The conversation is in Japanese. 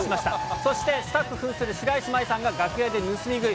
そしてスタッフふんする白石麻衣さんが楽屋で盗み食い。